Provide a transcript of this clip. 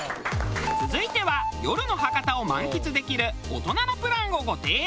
続いては夜の博多を満喫できる大人のプランをご提案。